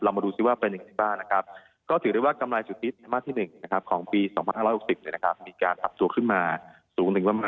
เรามาดูสิว่าเป็นอย่างไรเป็นกับภาพเนี้ยครับ